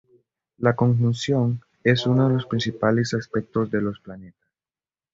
La conjunción es uno de los principales aspectos de los planetas.